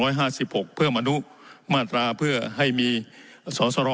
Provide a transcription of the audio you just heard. ร้อยห้าสิบหกเพื่อมนุต์มาตราเพื่อให้มีสรสรอ